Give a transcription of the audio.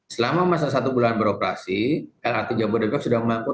selama masa satu bulan beroperasi lrt jabodebek sudah mampu